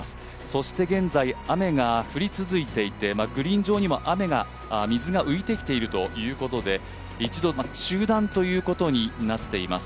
そして現在、雨が降り続いていてグリーン上にも雨が水が浮いてきているということで一度、中断ということになっています。